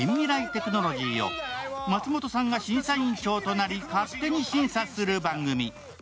テクノロジーを松本さんが審査員長となり勝手に審査する番組。